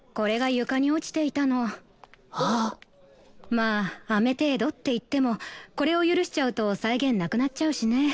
まあアメ程度っていってもこれを許しちゃうと際限なくなっちゃうしね。